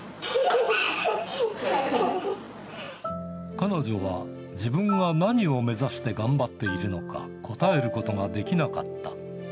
彼女は、自分が何を目指して頑張っているのか、答えることができなかった。